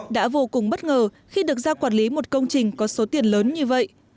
đã vô cùng bất ngờ khi được giao quản lý một công trình có số tiền lớn như vậy